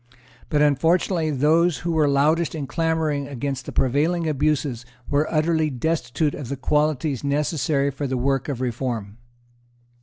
But unfortunately those who were loudest in clamouring against the prevailing abuses were utterly destitute of the qualities necessary for the work of reform.